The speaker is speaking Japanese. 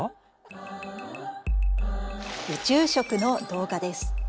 宇宙食の動画です。